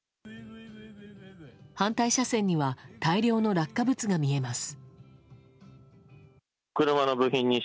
反対車線には大量の落下物が見えます。